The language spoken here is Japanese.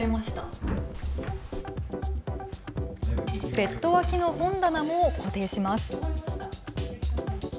ベッド脇の本棚も固定します。